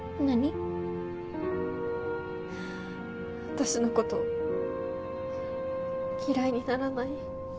私の事嫌いにならない？